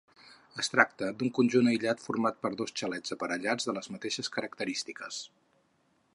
Es tracta d'un conjunt aïllat format per dos xalets aparellats de les mateixes característiques.